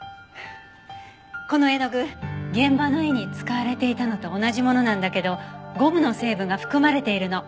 この絵の具現場の絵に使われていたのと同じものなんだけどゴムの成分が含まれているの。